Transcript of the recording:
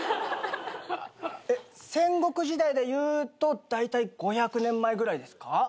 えっ戦国時代でいうとだいたい５００年前ぐらいですか？